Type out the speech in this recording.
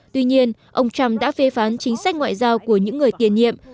tuy nhiên ông trump đã phê phán chính sách ngoại giao của những người tiền nhiệm